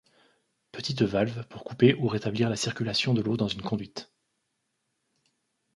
Petite valve pour couper ou rétablir la circulation de l'eau dans une conduite.